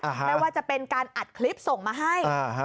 ไม่ว่าจะเป็นการอัดคลิปส่งมาให้